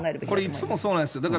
これ、いつもそうなんですよ。